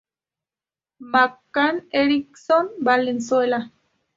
McCann Erickson Venezuela.